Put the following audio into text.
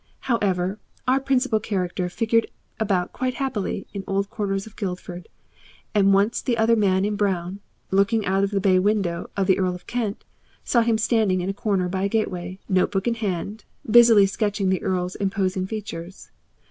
However, our principal character figured about quite happily in old corners of Guildford, and once the other man in brown, looking out of the bay window of the Earl of Kent, saw him standing in a corner by a gateway, note book in hand, busily sketching the Earl's imposing features.